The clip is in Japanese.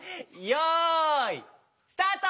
よいスタート！